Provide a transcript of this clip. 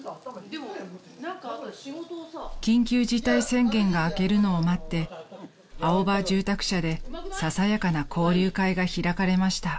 ［緊急事態宣言が明けるのを待ってアオバ住宅社でささやかな交流会が開かれました］